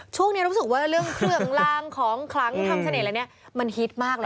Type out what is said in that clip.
ช่วงนี้รู้สึกว่าเรื่องเครื่องลางของคลังทำเสน่ห์อะไรเนี่ยมันฮิตมากเลย